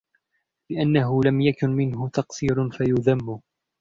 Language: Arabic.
لِأَنَّهُ لَمْ يَكُنْ مِنْهُ تَقْصِيرٌ فَيُذَمُّ